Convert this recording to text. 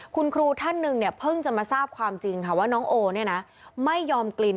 คุณครูท่านหนึ่งเนี่ยเพิ่งจะมาทราบความจริงค่ะว่าน้องโอเนี่ยนะไม่ยอมกิน